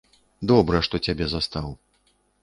Добра, што цябе застаў.